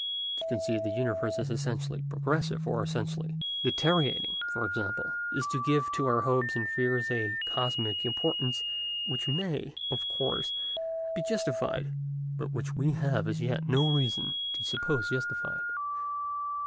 To conceive the universe as essentially progressive or essentially deteriorating, for example, is to give to our hopes and fears a cosmic importance which may, of course, be justified, but which we have as yet no reason to suppose justified.